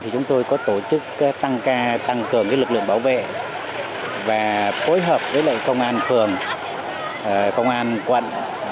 chúng tôi có tổ chức tăng cường lực lượng bảo vệ và phối hợp với công an phường công an quận